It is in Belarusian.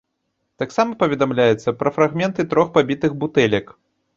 Таксама паведамляецца пра фрагменты трох пабітых бутэлек.